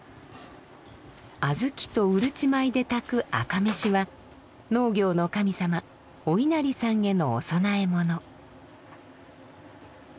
小豆とうるち米で炊く赤めしは農業の神様お稲荷さんへのお供え物。